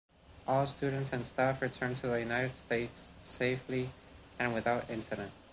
All students and staff returned to the United States safely and without incident.